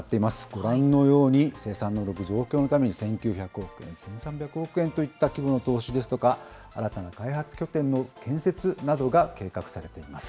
ご覧のように生産能力増強のために１９００億円、１３００億円といった規模の投資ですとか、新たな開発拠点の建設などが計画されています。